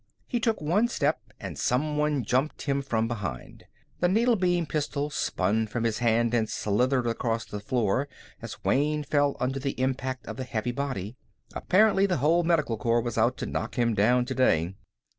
He took one step and someone jumped him from behind. The needle beam pistol spun from his hand and slithered across the floor as Wayne fell under the impact of the heavy body. Apparently the whole Medical Corps was out to knock him down today.